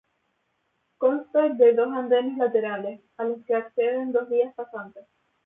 Consta de dos andenes laterales, a los que acceden dos vías pasantes.